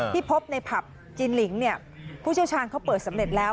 ที่พบในผับจินลิงค์เนี่ยผู้เชี่ยวชาญเขาเปิดสำเร็จแล้ว